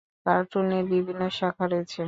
কার্টুনের বিভিন্ন শাখা রয়েছে।